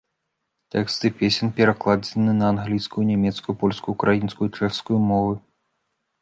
Тэксты песень перакладзены на англійскую, нямецкую, польскую, украінскую і чэшскую мовы.